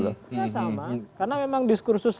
sama karena memang diskursus